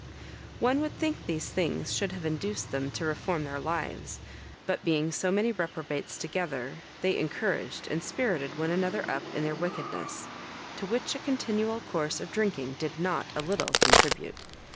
One would think these things should have induced them to reform their lives; but being so many reprobates together, they encouraged and spirited one another up in their wickedness, to which a continual course of drinking did not a little contribute.